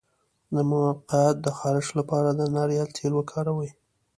د مقعد د خارش لپاره د ناریل تېل وکاروئ